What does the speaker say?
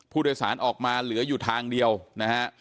ผู้โดยสารออกมาเหลืออยู่ทางเดียวนะฮะ